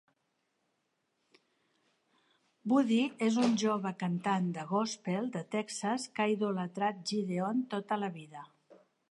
Buddy és un jove cantant de gòspel de Texas que ha idolatrat Gideon tota la vida.